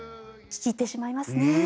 聴き入ってしまいますね。